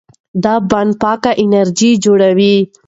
دا بند پاکه انرژي جوړوي.